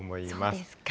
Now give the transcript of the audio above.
そうですか。